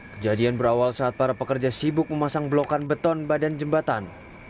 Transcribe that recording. kejadian berawal saat para pekerja sibuk memasang blokan beton badan jembatan